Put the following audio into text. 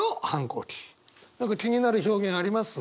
何か気になる表現あります？